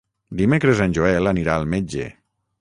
Dimecres en Joel anirà al metge.